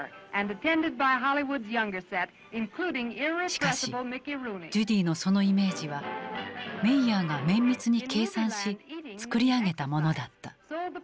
しかしジュディのそのイメージはメイヤーが綿密に計算し作り上げたものだった。